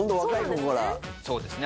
そうですね。